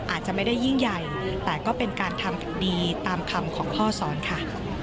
อาจจะไม่ได้ยิ่งใหญ่แต่ก็เป็นการทำดีตามคำของพ่อสอนค่ะ